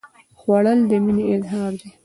خوړل د مینې اظهار دی